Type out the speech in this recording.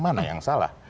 mana yang salah